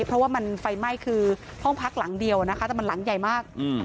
เพราะว่ามันไฟไหม้คือห้องพักหลังเดียวนะคะแต่มันหลังใหญ่มาก